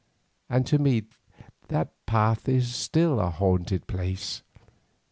And to me that path is still a haunted place.